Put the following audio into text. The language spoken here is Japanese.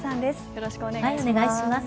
よろしくお願いします。